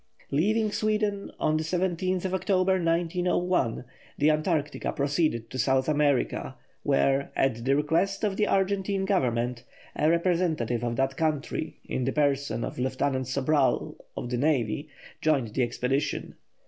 Leaving Sweden on October 17, 1901, the Antarctica proceeded to South America, where, at the request of the Argentine Government, a representative of that country, in the person of Lieutenant Sobral, of the Navy, joined the expedition.